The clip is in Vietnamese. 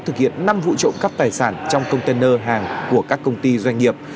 thực hiện năm vụ trộm cắp tài sản trong container hàng của các công ty doanh nghiệp